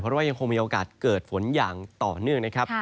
เพราะว่ายังคงมีโอกาสเกิดฝนอย่างต่อเนื่องนะครับ